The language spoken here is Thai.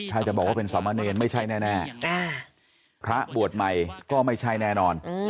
ถ้าจะบอกว่าเป็นสามเณรไม่ใช่แน่พระบวชใหม่ก็ไม่ใช่แน่นอน